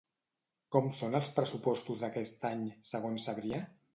Com són els pressupostos d'aquest any, segons Sabrià?